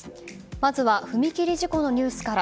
まずは踏切事故のニュースから。